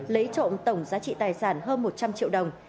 lấy trộm tổng giá trị tài sản hơn một trăm linh triệu đồng